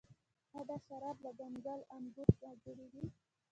آیا دا شراب له کنګل انګورو نه جوړیږي؟